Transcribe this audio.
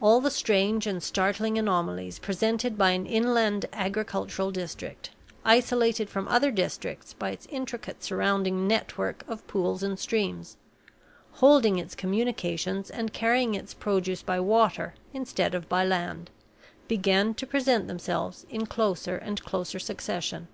All the strange and startling anomalies presented by an inland agricultural district, isolated from other districts by its intricate surrounding network of pools and streams holding its communications and carrying its produce by water instead of by land began to present themselves in closer and closer succession.